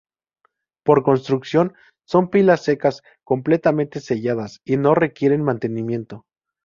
Por construcción, son pilas secas, completamente selladas y no requieren mantenimiento.